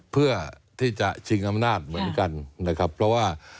เพื่อที่จะชิงอำนาจเหมือนกันนะครับ